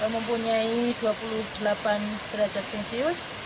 mempunyai dua puluh delapan derajat celcius